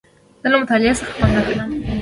زه له مطالعې څخه خوند اخلم.